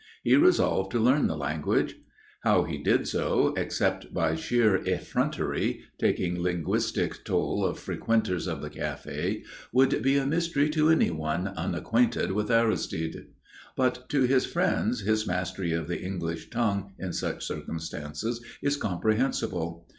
He resolved to learn the language. How he did so, except by sheer effrontery, taking linguistic toll of frequenters of the café, would be a mystery to anyone unacquainted with Aristide. But to his friends his mastery of the English tongue in such circumstances is comprehensible.